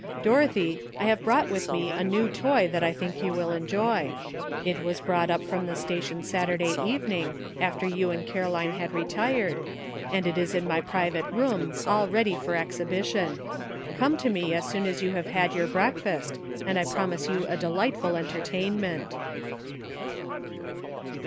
Dorothy, I have brought with me a new toy that I think you will enjoy. It was brought up from the station Saturday evening, after you and Caroline had retired, and is in my private room all ready for exhibition. Come to me as soon as you have had your breakfast, and I promise you a delightful entertainment."